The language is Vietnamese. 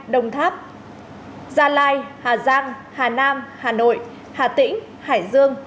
đồng tháp gia lai hà giang hà nam hà nội hà tĩnh hải dương